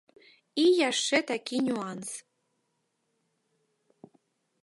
І яшчэ такі нюанс.